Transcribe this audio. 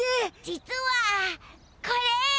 実はこれ。